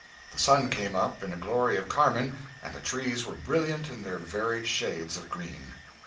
The sun came up in a glory of carmine, and the trees were brilliant in their varied shades of green.